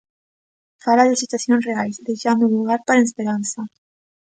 Fala de situacións reais, deixando lugar para a esperanza.